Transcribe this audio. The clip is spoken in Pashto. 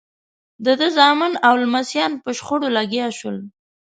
د ده زامن او لمسیان په شخړو لګیا شول.